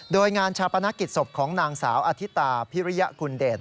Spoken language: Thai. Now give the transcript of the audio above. โดยงานชาปนกิจศพของนางสาวอธิตาพิริยกุลเดช